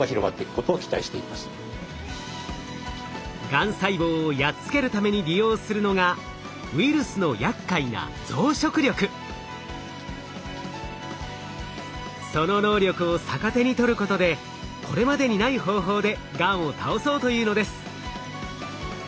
がん細胞をやっつけるために利用するのがウイルスのやっかいなその能力を逆手に取ることでこれまでにない方法でがんを倒そうというのです。